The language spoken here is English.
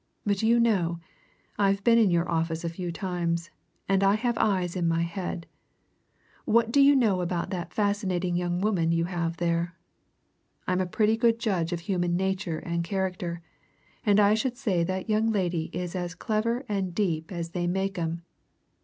But you know, I've been in your office a few times, and I have eyes in my head. What do you know about that fascinating young woman you have there? I'm a pretty good judge of human nature and character, and I should say that young lady is as clever and deep as they make 'em.